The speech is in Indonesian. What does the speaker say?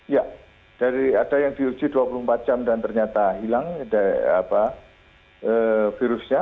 ya dari ada yang diuji dua puluh empat jam dan ternyata hilang virusnya